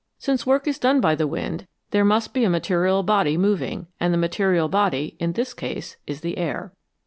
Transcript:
Since work is done by the wind, there must be a material body moving, and the material body, in this case, is the air.